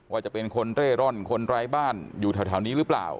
ว่าจะเป็นคนเร่ร่อนคนไร้บ้านอยู่แถวนี้หรือเปล่า